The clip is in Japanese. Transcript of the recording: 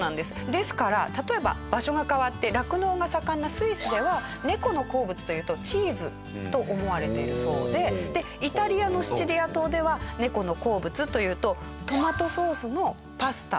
ですから例えば場所が変わって酪農が盛んなスイスでは猫の好物というとチーズと思われているそうでイタリアのシチリア島では猫の好物というとトマトソースのパスタだと思われているそう。